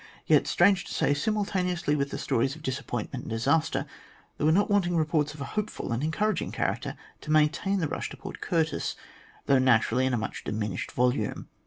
Yet, strange to say, simultaneously with the stories of disappointment and disaster, there were not wanting reports of a hopeful and encouraging character to maintain the "rush" to Port Curtis, though naturally in a much diminished volume.